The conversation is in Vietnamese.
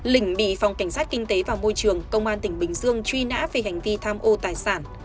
lỉnh bị phòng cảnh sát kinh tế và môi trường công an tp bình dương truy nã về hành vi tham ô tài sản